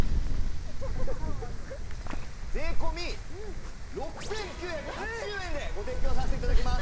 税込６９８０円でご提供させて頂きます！